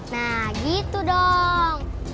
nah gitu dong